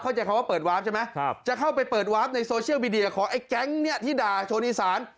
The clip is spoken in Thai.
ใช้คำว่าเปิดวาร์ฟใช่ไหมจะเข้าไปเปิดวาร์ฟในโซเชียลมีเดียของไอ้แก๊งเนี่ยที่ด่าชนอีสาน